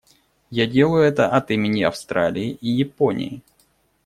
Я делаю это от имени Австралии и Японии.